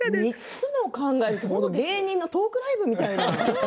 ３つも考えるなんて芸人のトークライブみたいな。